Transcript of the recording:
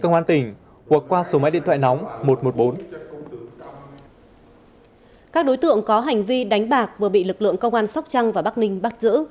các đối tượng có hành vi đánh bạc vừa bị lực lượng công an sóc trăng và bắc ninh bắt giữ